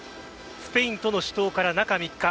スペインとの死闘から中３日